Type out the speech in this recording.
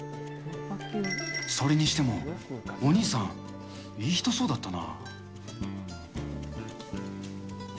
それにしても、お兄さん、いい人そうだったな。